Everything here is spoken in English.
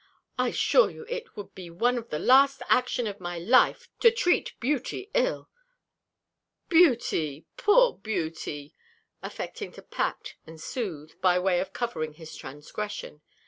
I assure you it would be one of the last action of my life to treat Beauty ill Beauty! poor Beauty!" affecting to pat and soothe, by way of covering his transgression.